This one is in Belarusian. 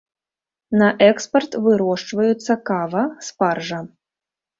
На экспарт вырошчваюцца кава, спаржа.